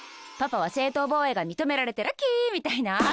パパは正当防衛が認められてラッキーみたいな。